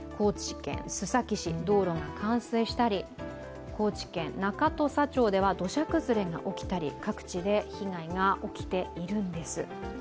道路が冠水したり、高知県中土佐町では土砂崩れが起きたり各地で被害が起きているんです。